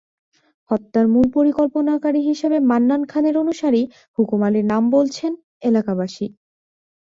হত্যার মূল পরিকল্পনাকারী হিসেবে মান্নান খানের অনুসারী হুকুম আলীর নাম বলছেন এলাকাবাসী।